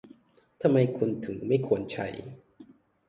ทำไมคุณถึงไม่ควรใช้